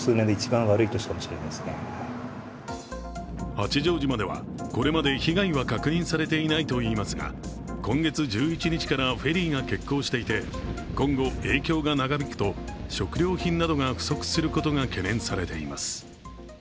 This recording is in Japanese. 八丈島ではこれまで被害は確認されていないといいますが今月１１日からフェリーが欠航していて今後、影響が長引くと食料品などが不足することが懸念されています。